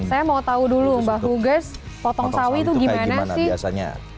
saya mau tahu dulu mbak huges potong sawi itu gimana sih